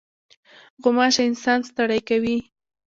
غوماشه انسان ستړی کوي.